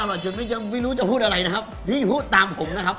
อร่อยจนไม่รู้จะพูดอะไรนะครับพี่พูดตามผมนะครับ